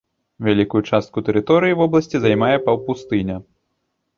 Вялікую частку тэрыторыі вобласці займае паўпустыня.